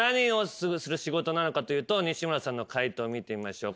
西村さんの解答見てみましょう。